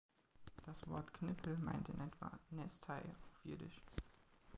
Das Wort „knipl“ meint in etwa „Nestei“ auf Jiddisch.